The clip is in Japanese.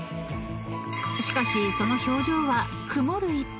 ［しかしその表情は曇る一方］